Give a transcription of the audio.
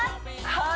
はい